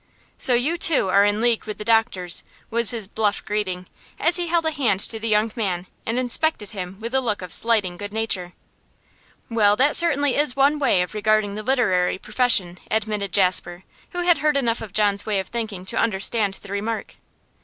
'So you too are in league with the doctors,' was his bluff greeting, as he held a hand to the young man and inspected him with a look of slighting good nature. 'Well, that certainly is one way of regarding the literary profession,' admitted Jasper, who had heard enough of John's way of thinking to understand the remark.